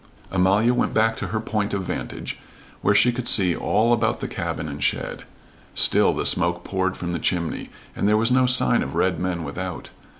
Amalia went back to her point of vantage, where she could see all about the cabin and shed. Still the smoke poured from the chimney, and there was no sign of red men without.